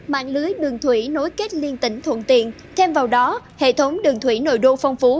mạng lưới đường thủy nối kết liên tỉnh thuận tiện thêm vào đó hệ thống đường thủy nội đô phong phú